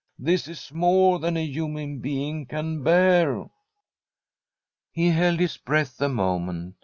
' This is more than a human being can bear.' He held his breath a moment.